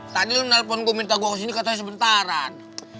tadi lo nelpon gue minta gue kesini katanya sebentaran